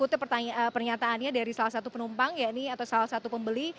ini adalah pertanyaan pernyataannya dari salah satu penumpang ya ini atau salah satu pembeli